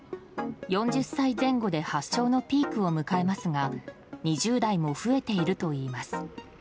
４０歳前後で発症のピークを迎えますが２０代も増えているといいます。